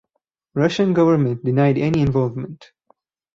Russian government denied any involvement.